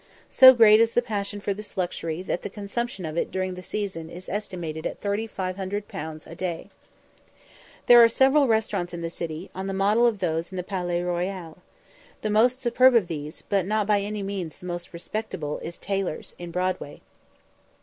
So great is the passion for this luxury, that the consumption of it during the season is estimated at 3500_l._ a day. There are several restaurants in the city, on the model of those in the Palais Royal. The most superb of these, but not by any means the most respectable, is Taylor's, in Broadway.